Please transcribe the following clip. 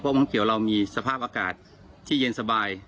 วังเขียวเรามีสภาพอากาศที่เย็นสบาย